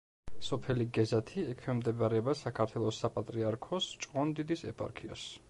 სოფელი გეზათი ექვემდებარება საქართველოს საპატრიარქოს ჭყონდიდის ეპარქიას.